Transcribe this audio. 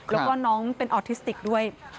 แล้วก็น้องเป็นออทิสติกด้วย